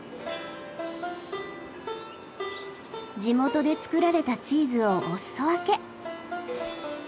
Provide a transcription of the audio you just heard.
地元で作られたチーズをお裾分け。